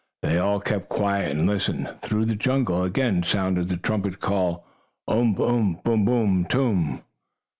They all kept quiet and listened. Through the jungle again sounded the trumpet call: "Umph! Umph! Boom! Boom! Toom!"